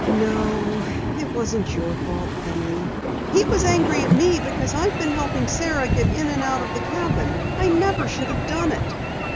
"No, it wasn't your fault, Penny." "He was angry at me because I've been helping Sara get in and out of the cabin. I never should have done it."